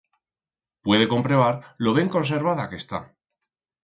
Puede comprebar lo ben conservada que está.